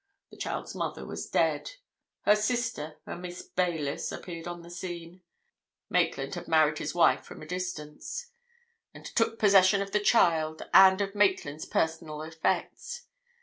The child's mother was dead. Her sister, a Miss Baylis, appeared on the scene—Maitland had married his wife from a distance—and took possession of the child and of Maitland's personal effects.